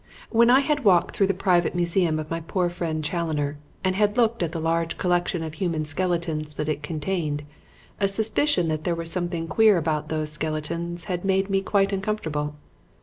When I had walked through the private museum of my poor friend Challoner and had looked at the large collection of human skeletons that it contained, a suspicion that there was something queer about those skeletons had made me quite uncomfortable.